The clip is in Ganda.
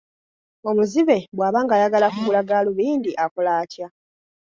Omuzibe bw'aba ng'ayagala kugula gaalubindi, akola atya?